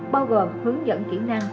bao gồm hướng dẫn kỹ năng